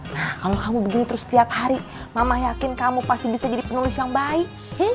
nah kalau kamu begini terus setiap hari mama yakin kamu pasti bisa jadi penulis yang baik sih